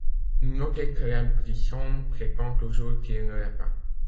Notez que l’impuissant prétend toujours qu’il ne l’est pas.